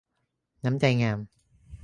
น้ำใจงาม